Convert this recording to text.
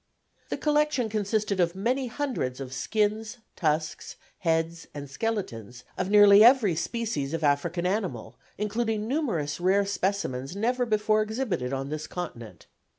The collection consisted of many hundreds of skins, tusks, heads and skeletons of nearly every species of African animal, including numerous rare specimens never before exhibited on this continent.